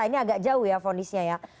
ini agak jauh ya vonisnya ya